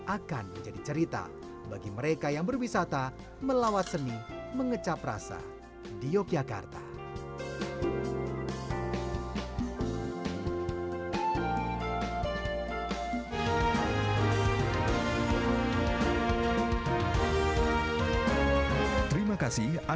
akan menjadi cerita bagi mereka yang berwisata melawat seni mengecap rasa di yogyakarta